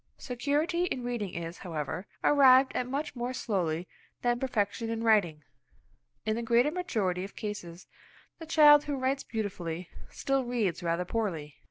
Security in reading is, however, arrived at much more slowly than perfection in writing. In the greater majority of cases the child who writes beautifully, still reads rather poorly.